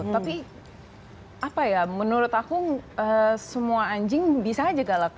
tapi apa ya menurut aku semua anjing bisa aja galak